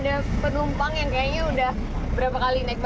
nah ini juga nih ada penumpang yang kayaknya udah berapa kali naik bus ya